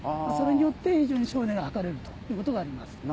それによって非常に省エネが図れるということがあります。